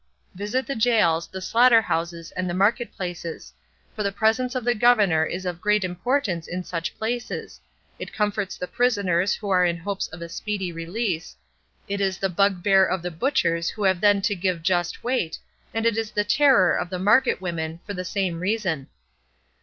Visit the gaols, the slaughter houses, and the market places; for the presence of the governor is of great importance in such places; it comforts the prisoners who are in hopes of a speedy release, it is the bugbear of the butchers who have then to give just weight, and it is the terror of the market women for the same reason.